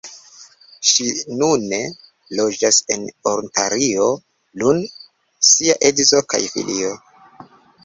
Ŝi nune loĝas en Ontario lun sia edzo kaj filoj.